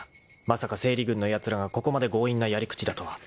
［まさか整理軍のやつらがここまで強引なやり口だとは］